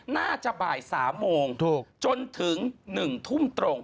น่าจะบ่าย๓โมงจนถึง๑ทุ่มตรง